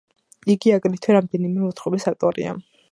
იგი აგრეთვე რამდენიმე მოთხრობის ავტორია.